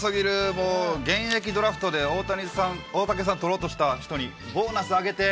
もう現役ドラフトで、大竹さん取ろうとした人にボーナス上げて。